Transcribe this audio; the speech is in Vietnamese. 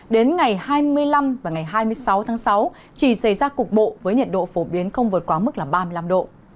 đến ngày hai mươi năm và ngày hai mươi sáu tháng sáu chỉ xảy ra cục bộ với nhiệt độ phổ biến không vượt quá mức ba mươi năm độ